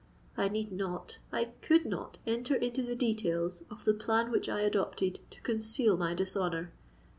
I need not—I could not enter into the details of the plan which I had adopted to conceal my dishonour.